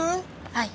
はい。